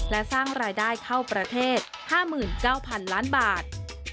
และสร้างรายได้เข้าประเทศ๕๙๐๐๐ล้านบาท